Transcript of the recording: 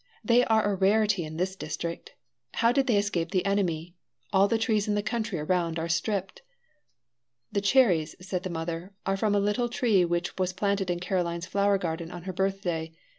"They are a rarity in this district. How did they escape the enemy? All the trees in the country around are stripped." "The cherries," said the mother, "are from a little tree which was planted in Caroline's flower garden on her birthday.